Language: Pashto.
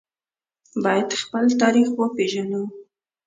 باید خپل تاریخ وپیژنو